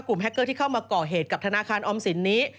แฮคเกอร์ที่เข้ามาก่อเหตุกับธนาคารออมสินนี้